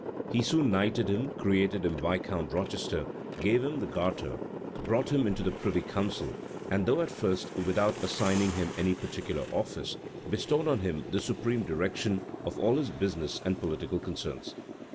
He soon knighted him, created him Viscount Rochester, gave him the garter, brought him into the privy council, and, though at first without assigning him any particular office, bestowed on him the supreme direction of all his business and political concerns.